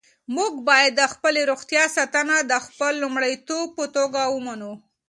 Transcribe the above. موږ باید د خپلې روغتیا ساتنه د خپل لومړیتوب په توګه ومنو.